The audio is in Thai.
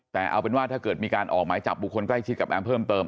แต่เอาเป็นว่าถ้าเกิดมีการออกหมายจับบุคคลใกล้ชิดกับแอมเพิ่มเติม